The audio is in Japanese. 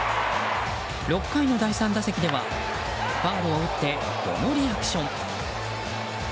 ６回の第３打席ではファウルを打ってこのリアクション。